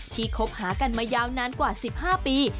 คบหากันมายาวนานกว่า๑๕ปี